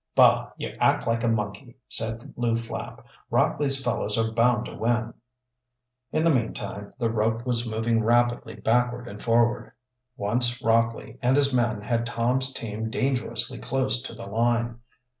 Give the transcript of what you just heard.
"Bah! you act like a monkey," said Lew Flapp. "Rockley's fellows are bound to win." In the meantime the rope was moving rapidly backward and forward. Once Rockley and his men had Tom's team dangerously close to the line.